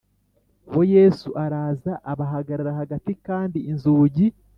Bo yesu araza abahagarara hagati kandi inzugi